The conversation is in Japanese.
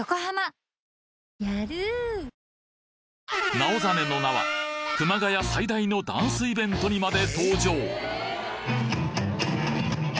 直実の名は熊谷最大のダンスイベントにまで登場！